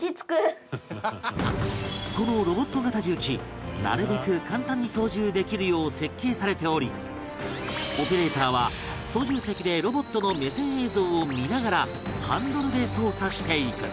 このロボット型重機なるべく簡単に操縦できるよう設計されておりオペレーターは操縦席でロボットの目線映像を見ながらハンドルで操作していく